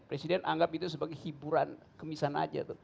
presiden anggap itu sebagai hiburan kemisan aja